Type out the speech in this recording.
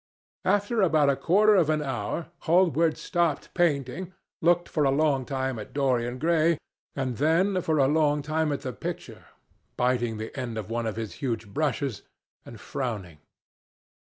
After about a quarter of an hour Hallward stopped painting, looked for a long time at Dorian Gray, and then for a long time at the picture, biting the end of one of his huge brushes and frowning.